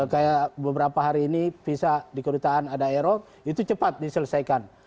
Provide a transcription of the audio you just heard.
kayak beberapa hari ini visa di kedutaan ada ero itu cepat diselesaikan